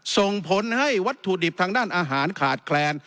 ส่งผลให้วัตถุดิบทางด้านอาหารขาดแคลน